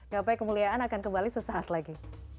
gapai kemuliaan akan kembali sesaat lagi